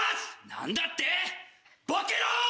何だって⁉ボケろ！